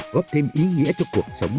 góp thêm ý nghĩa cho cuộc sống